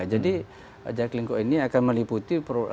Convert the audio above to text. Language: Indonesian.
jadi jaklingco ini akan meliputi